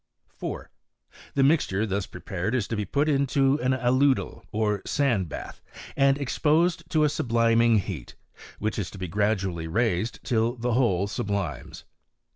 4. The mixture thus prepared is to be put into an aludel, or a sand bath, and exposed to a subliming heat, which is to be gradually raised till the whole sublimes.